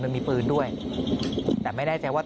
มันมีปืนมันมีปืน